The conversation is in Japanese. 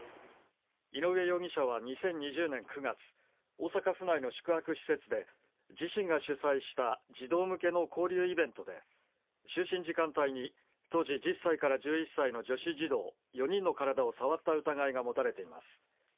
井上容疑者は２０２０年９月大阪府内の宿泊施設で自身が主催した児童向けの交流イベントで就寝時間帯に当時１０歳から１１歳の女子児童４人の体を触った疑いが持たれています。